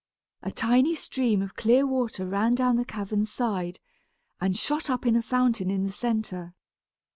A tiny stream of clear water ran down the cavern's side, and shot up in a fountain in the centre.